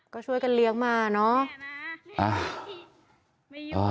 ก็ช่วยกันเลี้ยงมาเนอะ